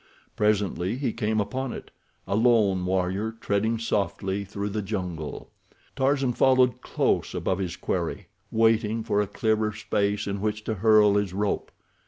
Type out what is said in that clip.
Presently he came upon it—a lone warrior treading softly through the jungle. Tarzan followed close above his quarry, waiting for a clearer space in which to hurl his rope.